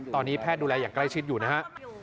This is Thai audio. ตอนนี้แพทย์ดูแลอย่างใกล้ชิดอยู่นะฮะ